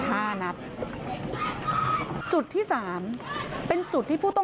โชว์บ้านในพื้นที่เขารู้สึกยังไงกับเรื่องที่เกิดขึ้น